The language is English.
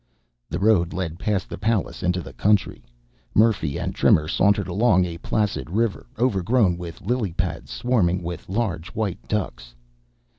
The road led past the palace into the country. Murphy and Trimmer sauntered along a placid river, overgrown with lily pads, swarming with large white ducks.